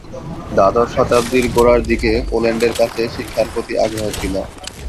দ্বাদশ শতাব্দীর গোড়ার দিকে পোল্যান্ডের কাছে শিক্ষার প্রতি আগ্রহ ছিল।